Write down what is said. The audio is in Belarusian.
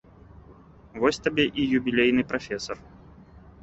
Вось табе і юбілейны прафесар.